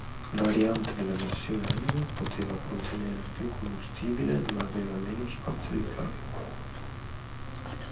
Variante della versione M, poteva contenere più combustibile, ma aveva meno spazio di carico.